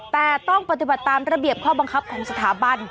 แต่ต้องปฏิบัติตามระเบียบข้อบังคับของสถาบัน